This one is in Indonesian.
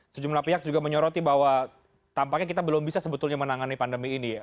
sejumlah pihak juga menyoroti bahwa tampaknya kita belum bisa sebetulnya menangani pandemi ini